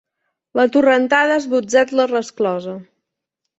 La torrentada ha esbotzat la resclosa.